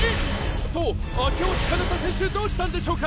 と明星かなた選手どうしたんでしょうか？